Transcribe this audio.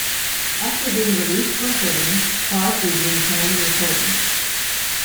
After being released from prison, Hawes resumed playing and recording.